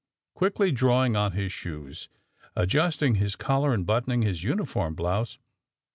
Quickly drawing on his shoes, adjusting his collar and buttoning his uniform blouse.